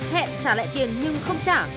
hẹn trả lại tiền nhưng không trả